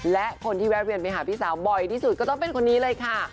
และคนที่แวะเวียนไปหาพี่สาวบ่อยที่สุดก็ต้องเป็นคนนี้เลยค่ะ